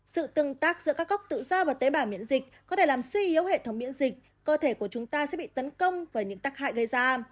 sự tương tác giữa các góc tự do và tế bào miễn dịch có thể làm suy yếu hệ thống miễn dịch cơ thể của chúng ta sẽ bị tấn công với những tác hại gây ra